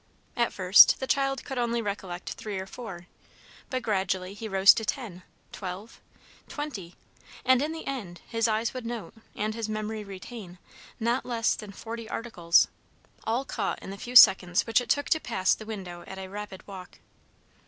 At first, the child could only recollect three or four; but gradually he rose to ten, twelve, twenty, and, in the end, his eyes would note, and his memory retain, not less than forty articles, all caught in the few seconds which it took to pass the window at a rapid walk.